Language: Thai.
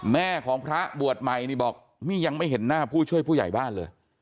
แม่ของพระบวชใหม่นี่บอกนี่ยังไม่เห็นหน้าผู้ช่วยผู้ใหญ่บ้านเลย